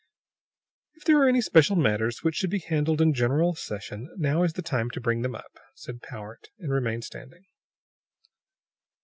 "If there are any special matters which should be handled in general session, now is the time to bring them up," said Powart, and remained standing.